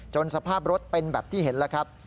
สภาพรถเป็นแบบที่เห็นแล้วครับ